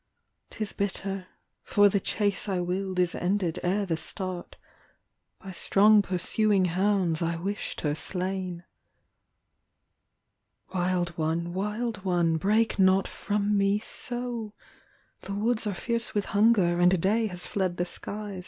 " 'Tis bitter, for the chase I willed is ended ere the start : By strong pursuing hounds I wished her slain." " Wild one, wild one, break not from me so ! The woods are fierce with hunger, and day has fled the skies.